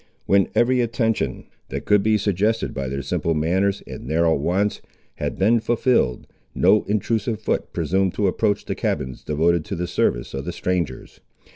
When every attention, that could be suggested by their simple manners and narrow wants, had been fulfilled, no intrusive foot presumed to approach the cabins devoted to the service of the strangers.